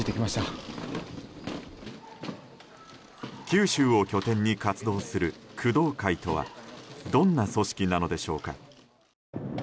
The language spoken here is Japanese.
九州を拠点に活動する工藤会とはどんな組織なのでしょうか。